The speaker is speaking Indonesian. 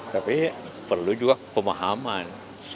tapi perlu juga pemahaman